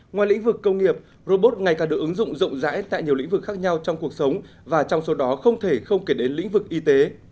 ngoài lĩnh vực công nghiệp robot ngày càng được ứng dụng rộng rãi tại nhiều lĩnh vực khác nhau trong cuộc sống và trong số đó không thể không kể đến lĩnh vực y tế